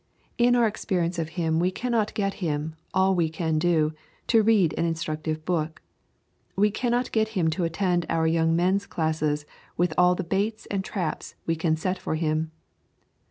In our experience of him we cannot get him, all we can do, to read an instructive book. We cannot get him to attend our young men's class with all the baits and traps we can set for him.